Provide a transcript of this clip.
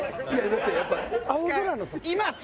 だってやっぱ青空の。